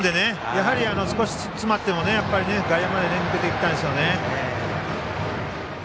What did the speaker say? やはり少し詰まっても外野まで抜けていったんでしょうね。